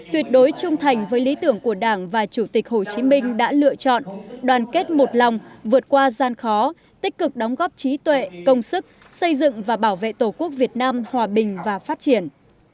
tuyệt đối trung thành với lý tưởng của đảng và chủ tịch hồ chí minh đã lựa chọn đoàn kết một lòng vượt qua gian khó tích cực đóng góp trí tuệ công sức xây dựng và bảo vệ tổ quốc việt nam hòa bình và phát triển